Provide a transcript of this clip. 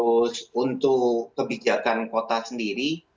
terus untuk kebijakan kota sendiri